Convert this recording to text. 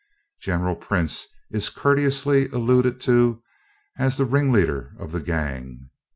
General Prince is courteously alluded to as "the ringleader of the gang."